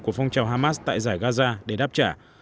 của phong trào hamas tại giải gaza để đáp trả